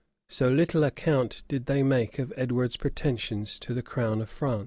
[] So little account did they make of Edward's pretensions to the crown of France!